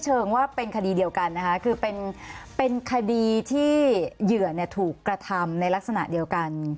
เชิงว่าเป็นคดีเดียวกันนะคะคือเป็นคดีที่เหยื่อถูกกระทำในลักษณะเดียวกัน